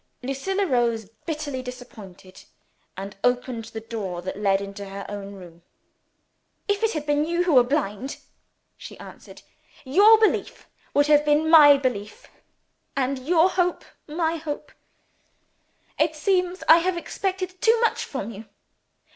Lucilla rose, bitterly disappointed, and opened the door that led into her own room. "If it had been you who were blind," she answered, "your belief would have been my belief, and your hope my hope. It seems I have expected too much from you.